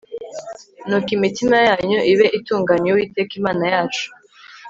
nuko imitima yanyu ibe itunganiye uwiteka imana yacu